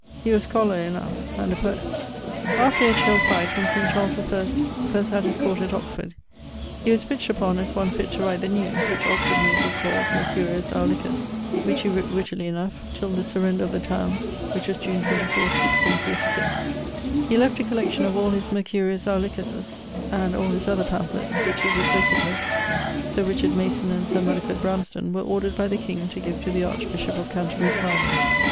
He was scholar enough, and a poet. After Edgehill fight, when King Charles I first had his court at Oxford, he was pitched upon as one fitt to write the Newes, which Oxford Newes was called Mercurius Aulicus, which he writt wittily enough, till the surrender of the towne (which was June 24, 1646). He left a collection of all his Mercurius Aulicus's and all his other pamphletts, which his executors (Sir Richard Mason and Sir Muddiford Bramston) were ordered by the king to give to the Archbishop of Canterbury's library.